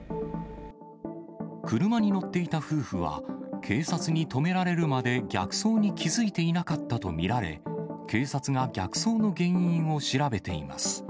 車に乗っていた夫婦は、警察に止められるまで逆走に気付いていなかったと見られ、警察が逆走の原因を調べています。